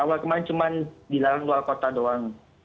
awal kemarin cuma dilarang luar kota doang